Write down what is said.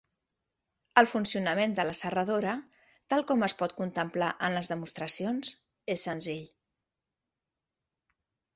El funcionament de la serradora, tal com es pot contemplar en les demostracions, és senzill.